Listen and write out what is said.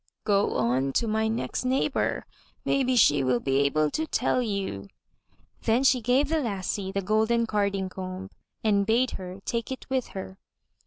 "Go on to my next neighbor. Maybe she will be able to tell you/' Then she gave the lassie the golden carding comb and bade her take it with her.